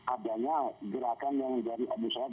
adanya gerakan yang dari niswani